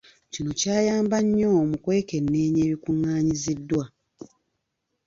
Kino kyayamba nnyo mu kwekenneenya ebikungaanyiziddwa.